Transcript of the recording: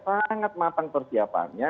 sangat matang persiapannya